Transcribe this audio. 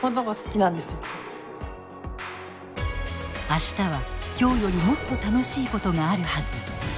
明日は今日よりもっと楽しいことがあるはず。